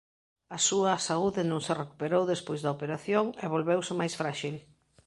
A súa saúde non se recuperou despois da operación e volveuse máis fráxil.